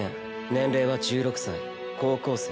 年齢は１６歳高校生。